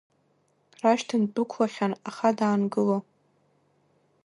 Рашь дындәықәлахьан, аха даангыло.